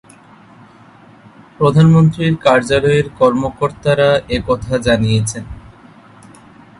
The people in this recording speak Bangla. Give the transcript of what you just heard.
প্রধানমন্ত্রীর কার্যালয়ের কর্মকর্তারা এ কথা জানিয়েছেন।